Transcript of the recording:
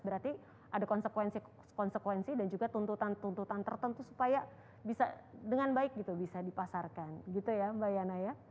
berarti ada konsekuensi dan juga tuntutan tuntutan tertentu supaya bisa dengan baik gitu bisa dipasarkan gitu ya mbak yana ya